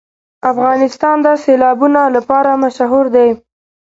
افغانستان د سیلابونه لپاره مشهور دی.